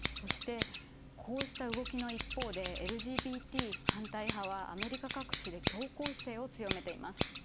こうした動きの一方でＬＧＢＴ反対派はアメリカ各地で強硬姿勢を強めています。